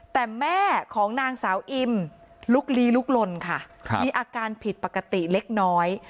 แต่แม่ของนางสาวอิมลุกลีลุกลนค่ะมีอาการผิดปกติเล็กน้อย